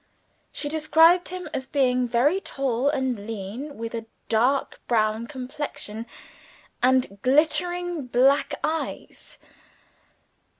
She described him as being very tall and lean, with a dark brown complexion and glittering black eyes.